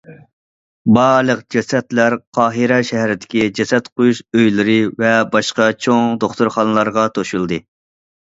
بارلىق جەسەتلەر قاھىرە شەھىرىدىكى جەسەت قويۇش ئۆيلىرى ۋە باشقا چوڭ دوختۇرخانىلارغا توشۇلدى.